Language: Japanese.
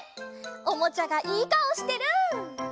おもちゃがいいかおしてる！